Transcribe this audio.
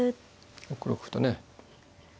６六歩とね。